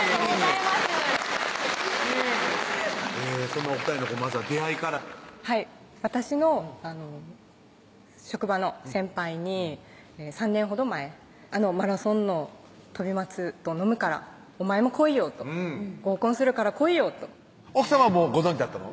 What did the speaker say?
空き日にそんなお２人のまずは出会いからはい私の職場の先輩に３年ほど前「あのマラソンの飛松と飲むからお前も来いよ」と「合コンするから来いよ」と奥さまもご存じだったの？